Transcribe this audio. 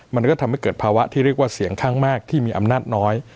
มันก็ทำให้เกิดภาวะที่เรียกว่าเสียงข้างมากที่มีอำนาจน้อย